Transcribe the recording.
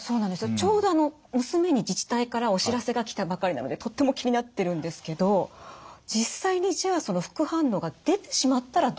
ちょうどあの娘に自治体からお知らせが来たばかりなのでとっても気になってるんですけど実際にじゃあ副反応が出てしまったらどうしたらいいんですか？